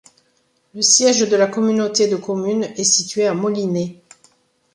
Le siège de la communauté de communes est situé à Molinet.